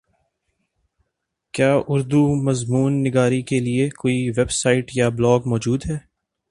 کیا اردو مضمون نگاری کیلئے کوئ ویبسائٹ یا بلاگ موجود ہے